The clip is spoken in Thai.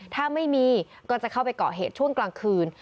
ถ้าไม่มีก็จะเข้าไปเกาะเหตุช่วงกลางคืน